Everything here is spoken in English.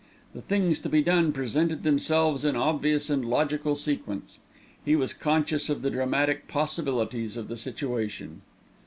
The things to be done presented themselves in obvious and logical sequence. He was conscious of the dramatic possibilities of the situation.